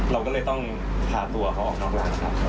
เราก็เลยต้องพาตัวเขาออกนอกร้านครับ